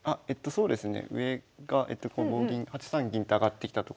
そうですね。